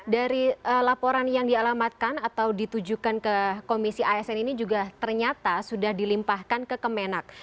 dari laporan yang dialamatkan atau ditujukan ke komisi asn ini juga ternyata sudah dilimpahkan ke kemenak